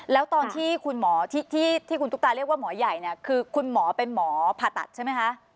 แล้วตอนที่คุณหมอที่คุณตุ๊กตาเรียกว่าหมอใหญ่เนี่ยคือคุณหมอเป็นหมอผ่าตัดใช่ไหมคะ